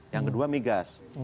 yang kedua migas